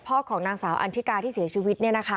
ของนางสาวอันทิกาที่เสียชีวิต